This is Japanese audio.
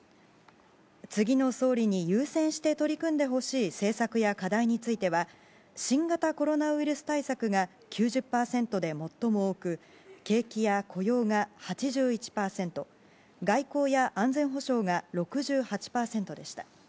次の総理に優先して取り組んでほしい政策や課題については、新型コロナウイルス対策が９０％で最も多く、景気や雇用が８１％、外交や安全保障が６８％でした。